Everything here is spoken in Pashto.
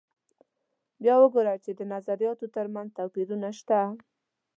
بیا وګورو چې د نظریاتو تر منځ توپیرونه شته.